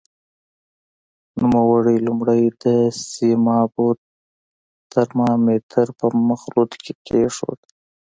نوموړی لومړی د سیمابو ترمامتر په مخلوط کې کېښود.